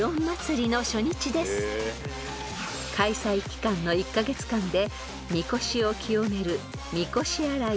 ［開催期間の１カ月間で］